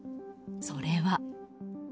それは。